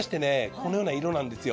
このような色なんですよ。